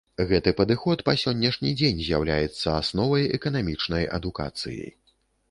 Гэты падыход па сённяшні дзень з'яўляецца асновай эканамічнай адукацыі.